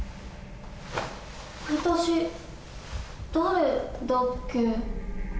私誰だっけ？